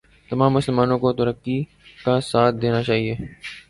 تمام مسلمانوں کو ترکی کا ساتھ دینا چاہئے